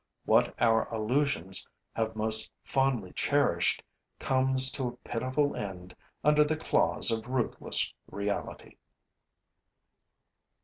What our illusions have most fondly cherished comes to a pitiful end under the claws of ruthless reality.